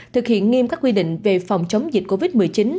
thực hiện nghiêm các quy định về phòng chống dịch covid một mươi chín